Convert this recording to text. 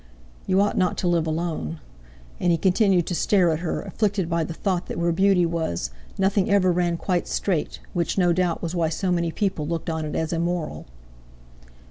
"You ought not to live alone." And he continued to stare at her, afflicted by the thought that where Beauty was, nothing ever ran quite straight, which, no doubt, was why so many people looked on it as immoral.